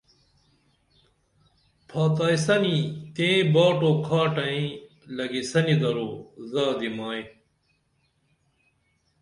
پھاتائی سنی تئیں باٹ و کھاٹئیں لگین یسنی درو زادی مائی